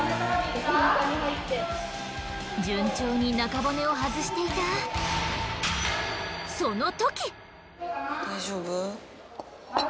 順調に中骨を外していた大丈夫？